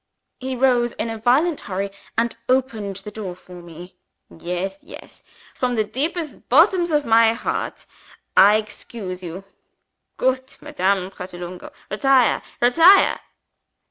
He rose in a violent hurry, and opened the door for me. "Yes! yes! From the deep bottoms of my heart I excuse you. Goot Madame Pratolungo, retire! retire!"